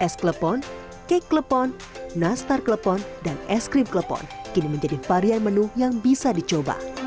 es klepon kek klepon nastar klepon dan es krim klepon kini menjadi varian menu yang bisa dicoba